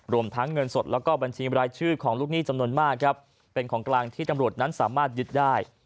รวมทั้งเงินสดแล้วก็บัญชีบรายชื่อของลูกหนี้จำนวนมากครับเป็นของกลางที่ตำรวจนั้นสามารถยึดได้